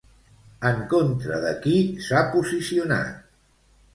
En contra de qui s'ha posicionat?